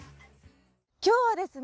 今日はですね